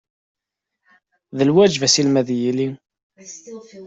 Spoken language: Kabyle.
D lwaǧeb asirem ad yili